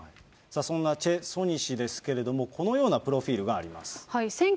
そんなチェ・ソニ氏ですけれども、このようなプロフィールがあります。